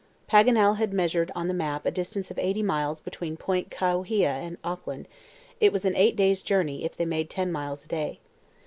Paganel had measured on the map a distance of eighty miles between Point Kawhia and Auckland; it was an eight days' journey if they made ten miles a day.